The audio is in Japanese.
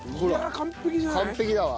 完璧だわ。